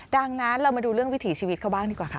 ดังนั้นเรามาดูเรื่องวิถีชีวิตเขาบ้างดีกว่าค่ะ